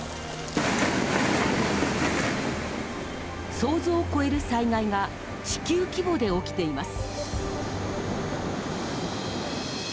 想像を超える災害が地球規模で起きています。